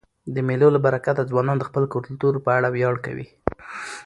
د مېلو له برکته ځوانان د خپل کلتور په اړه ویاړ کوي.